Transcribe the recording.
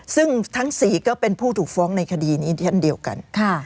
ซึ่งทั้ง๔ก็เป็นผู้ถูกฟ้องในคดีนี้เช่นเดียวกัน